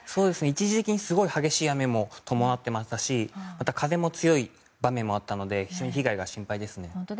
一時的にすごい激しい雨も降っていましたしまた、風も強い場面もあったので非常に被害が心配ですね。